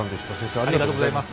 ありがとうございます。